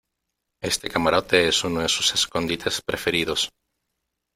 este camarote es uno de sus escondites preferidos .